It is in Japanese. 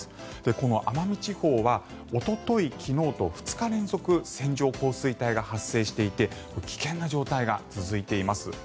この奄美地方はおととい、昨日と２日連続線状降水帯が発生していて危険な状態が続いています。